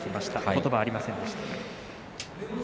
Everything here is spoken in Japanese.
ことばは、ありませんでした。